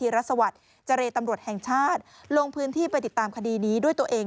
รัฐสวัสดิ์เจรตำรวจแห่งชาติลงพื้นที่ไปติดตามคดีนี้ด้วยตัวเอง